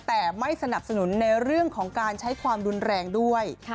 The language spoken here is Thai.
แต่ไม่สนับสนุนในเรื่องของการใช้ความรุนแรงด้วย